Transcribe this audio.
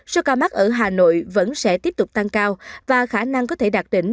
số ca mắc ở hà nội vẫn sẽ tiếp tục tăng cao và khả năng có thể đạt đỉnh